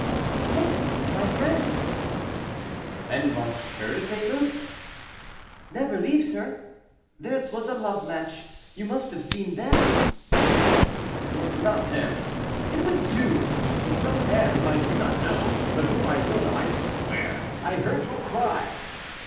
"Yes, my friend." "And M. de St. Luc?" "Never leaves her; theirs was a love match; you must have seen them." "It was not them; it was you, with some man whom I do not know, but whom I will know, I swear. I heard your cry."